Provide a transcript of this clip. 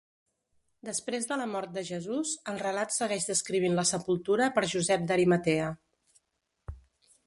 Després de la mort de Jesús, el relat segueix descrivint la sepultura per Josep d'Arimatea.